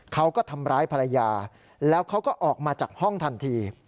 เขาก็ทำร้ายภรรยาแล้วเขาก็ออกมาจากห้องทันที